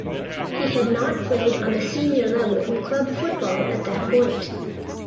He had not played on the senior level in club football at that point.